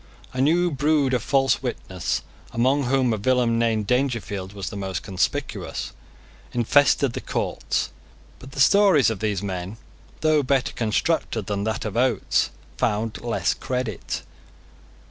A new brood of false witnesses, among whom a villain named Dangerfield was the most conspicuous, infested the courts: but the stories of these men, though better constructed than that of Oates, found less credit.